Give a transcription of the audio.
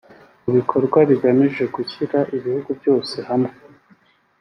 mu bikorwa bigamije gushyira ibihugu byose hamwe